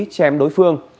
chém đối phương